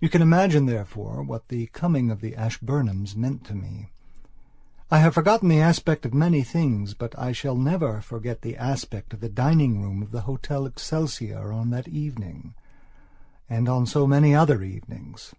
You can imagine, therefore, what the coming of the Ashburnhams meant to me. I have forgotten the aspect of many things, but I shall never forget the aspect of the dining room of the Hotel Excelsior on that eveningand on so many other evenings.